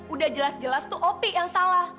udah jelas jelas tuh opi yang salah